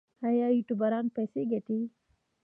آیا یوټیوبران پیسې ګټي؟